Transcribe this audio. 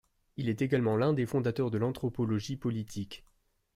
Il est également l'un des fondateurs de l'Anthropologie politique.